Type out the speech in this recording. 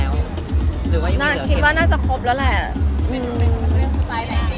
เป็นสโตปีบอะไรอะคะคอนเสป